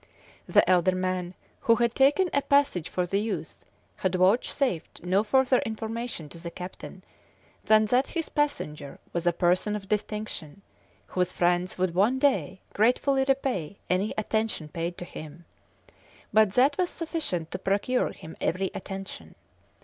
The elder man, who had taken a passage for the youth, had vouchsafed no further information to the captain than that his passenger was a person of distinction, whose friends would one day gratefully repay any attention paid to him; but that was sufficient to procure him every attention.